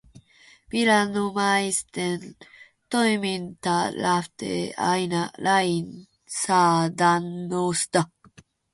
Viranomaisten toiminta lähtee aina lainsäädännöstä.